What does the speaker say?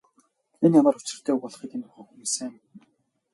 Энэ ямар учиртай үг болохыг энд байгаа хүмүүс сайн мэднэ.